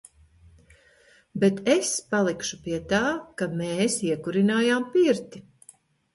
Bet es palikšu pie tā, ka "mēs" iekurinājām pirti.